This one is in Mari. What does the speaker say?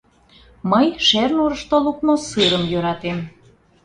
— Мый Шернурышто лукмо сырым йӧратем.